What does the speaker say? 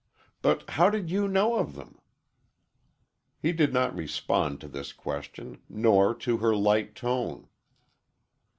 But how did you know of them?" He did not respond to this question, nor to her light tone.